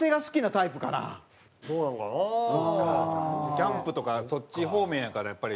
キャンプとかそっち方面やからやっぱり。